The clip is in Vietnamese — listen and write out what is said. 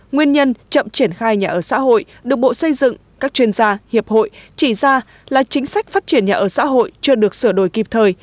nguyên nhân chậm triển khai nhà ở xã hội được bộ xây dựng các chuyên gia hiệp hội chỉ ra là chính sách phát triển nhà ở xã hội chưa được sửa đổi kịp thời